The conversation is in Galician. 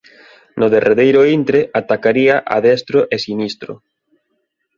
No derradeiro intre atacaría a destro e sinistro...